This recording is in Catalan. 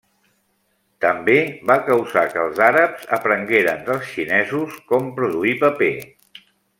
També va causar que els àrabs aprengueren dels xinesos com produir paper.